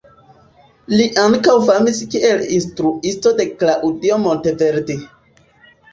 Li ankaŭ famis kiel instruisto de Claudio Monteverdi.